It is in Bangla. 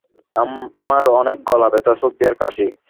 আমার অনেক গলা ব্যথা, সর্দি আর কাশি।